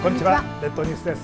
列島ニュースです。